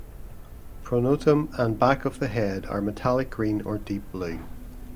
Pronotum and back of the head are metallic green or deep blue.